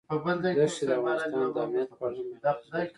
دښتې د افغانستان د امنیت په اړه هم اغېز لري.